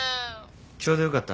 ちょうどよかった。